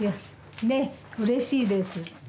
うれしいです。